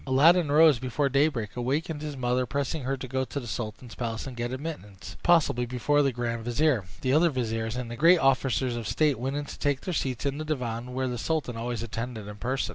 Aladdin rose before daybreak, awakened his mother, pressing her to go to the sultan's palace, and to get admittance, if possible, before the grand vizier, the other viziers, and the great officers of state went in to take their seats in the divan, where the sultan always attended in person.